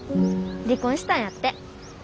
離婚したんやって。